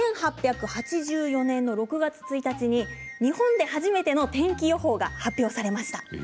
１８８４年の６月１日に日本で初めての天気予報が発表されました。